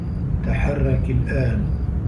تحرّك الآن.